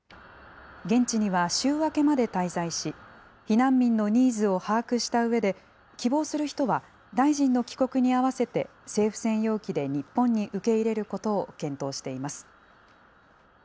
現地には週明けまで滞在し、避難民のニーズを把握したうえで、希望する人は大臣の帰国に合わせて、政府専用機で日本に受け入れることを検討しています。